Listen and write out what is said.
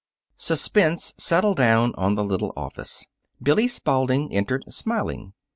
Suspense settled down on the little office. Billy Spalding entered, smiling.